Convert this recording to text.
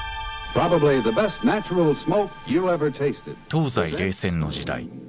東西冷戦の時代